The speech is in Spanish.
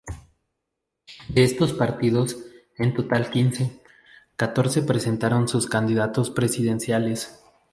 De estos partidos, en total quince, catorce presentaron sus candidatos presidenciales.